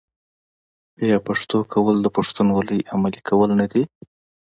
آیا پښتو کول د پښتونولۍ عملي کول نه دي؟